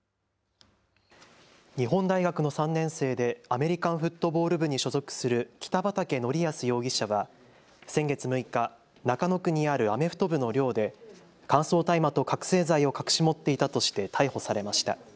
日本大学の３年生でアメリカンフットボール部に所属する北畠成文容疑者は先月６日中野区にあるアメフト部の寮で乾燥大麻と覚醒剤を隠し持っていたとして逮捕されました。